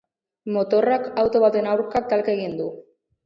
Motorrak auto baten aurka talka egin du.